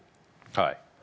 はい。